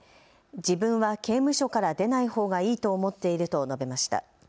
自分は刑務所から出ないほうがいいと思っていると述べました。